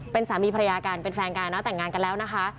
เป็นสามีภรรยากันเป็นแฟนกันนะแต่งงานกันแล้วนะคะ